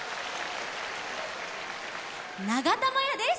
ながたまやです。